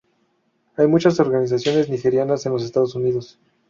Hay muchas organizaciones nigerianas en los Estados Unidos.